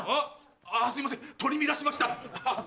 あっすいません取り乱しました。